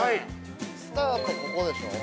スタート、ここでしょう？